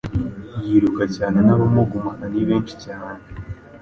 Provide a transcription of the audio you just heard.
yiruka cyane nabamugumana ni benshi cyane